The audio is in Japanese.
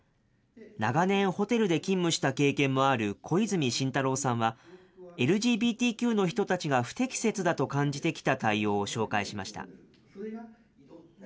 長年、ホテルで勤務した経験もある小泉伸太郎さんは、ＬＧＢＴＱの人たちが不適切だと感じてきた対応を紹介しました。